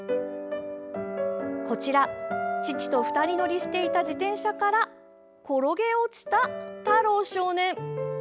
こちら父と２人乗りしていた自転車から転げ落ちた太郎少年。